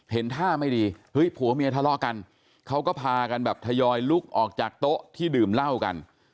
เห็นท่าไม่ดีเฮ้ยผัวเมียทะเลาะกันเขาก็พากันแบบทยอยลุกออกจากโต๊ะที่ดื่มเหล้ากัน